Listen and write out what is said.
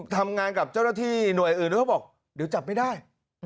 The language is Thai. ทำงานกับเจ้าหน้าที่หน่วยอื่นด้วยเขาบอกเดี๋ยวจับไม่ได้